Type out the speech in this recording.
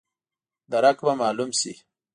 درک به مالوم شي.